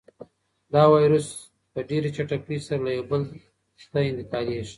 دا وېروس په ډېرې چټکۍ سره له یو بل ته انتقالېږي.